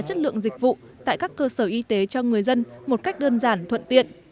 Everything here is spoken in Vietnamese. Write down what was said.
chất lượng dịch vụ tại các cơ sở y tế cho người dân một cách đơn giản thuận tiện